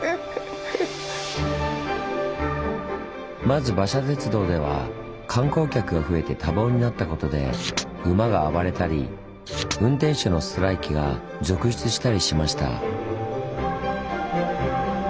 まず馬車鉄道では観光客が増えて多忙になったことで馬が暴れたり運転手のストライキが続出したりしました。